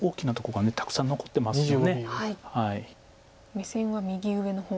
目線は右上の方に。